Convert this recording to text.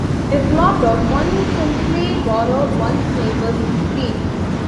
If locked out, one simply borrowed one's neighbour's key.